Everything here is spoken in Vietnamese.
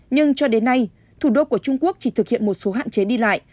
nhưng cho đến nay thủ đô của trung quốc chỉ thực hiện một số hạn chế đi lại